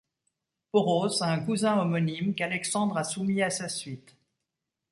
Poros a un cousin homonyme qu'Alexandre a soumis à sa suite.